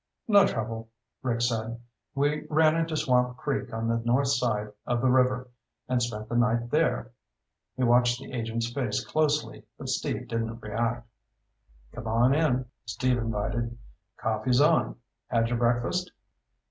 "No trouble," Rick said. "We ran into Swamp Creek on the north side of the river and spent the night there." He watched the agent's face closely, but Steve didn't react. "Come on in," Steve invited. "Coffee's on. Had your breakfast?"